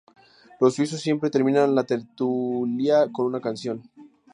los suizos siempre terminaban la tertulia con una canción